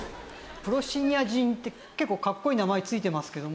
プロシアニジンって結構かっこいい名前付いてますけども。